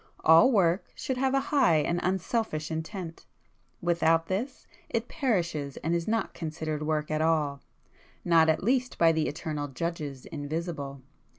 All work should have a high and unselfish intent,—without this, it perishes and is not considered work at all,—not at least by the eternal judges invisible.